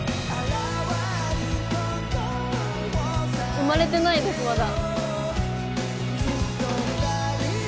生まれてないですまだ。